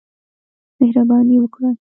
مهرباني وکړه.